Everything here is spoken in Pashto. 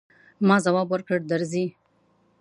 ما ځواب ورکړ، درځئ.